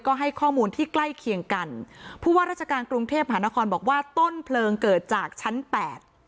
ก็ให้ข้อมูลที่ใกล้เคียงกันผู้ว่าราชการกรุงเทพหานครบอกว่าต้นเพลิงเกิดจากชั้นแปด